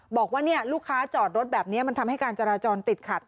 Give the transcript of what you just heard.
บอกว่าลูกค้าจอดรถแบบนี้มันทำให้การจราจรติดขัด